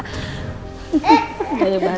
eh jangan nyebar